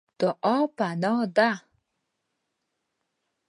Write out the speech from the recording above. دعا پناه ده.